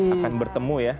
akan bertemu ya